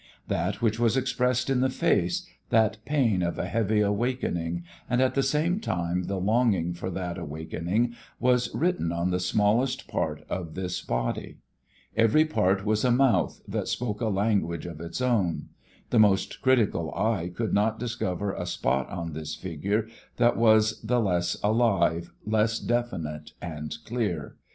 That which was expressed in the face, that pain of a heavy awakening, and at the same time the longing for that awakening, was written on the smallest part of this body. Every part was a mouth that spoke a language of its own. The most critical eye could not discover a spot on this figure that was the less alive, less definite and clear.